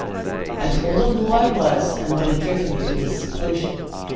"I told him who I was, and what had driven me to this seclusion.